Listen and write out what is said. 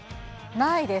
ないです。